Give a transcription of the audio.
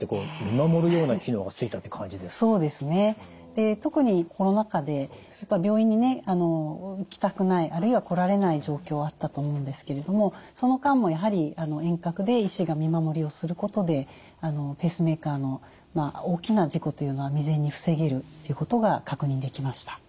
で特にコロナ禍でやっぱり病院にね来たくないあるいは来られない状況あったと思うんですけれどもその間もやはり遠隔で医師が見守りをすることでペースメーカーの大きな事故というのは未然に防げるということが確認できました。